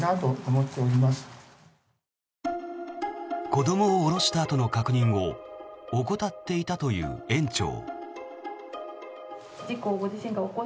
子どもを降ろしたあとの確認を怠っていたという園長。